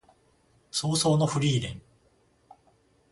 葬送のフリーレン